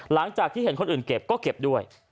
หลังจากที่เห็นคนอื่นเก็บก็เก็บด้วย